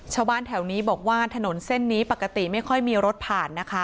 ชาวบ้านแถวนี้บอกว่าถนนเส้นนี้ปกติไม่ค่อยมีรถผ่านนะคะ